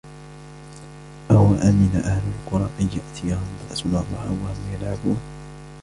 أوأمن أهل القرى أن يأتيهم بأسنا ضحى وهم يلعبون